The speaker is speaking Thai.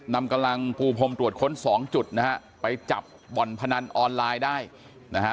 นำกำลังปูพรมตรวจค้นสองจุดนะฮะไปจับบ่อนพนันออนไลน์ได้นะฮะ